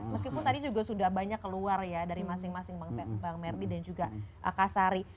meskipun tadi juga sudah banyak keluar ya dari masing masing bang merdi dan juga kak sari